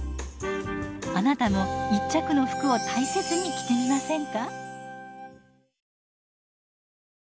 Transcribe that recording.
あなたも一着の服を大切に着てみませんか。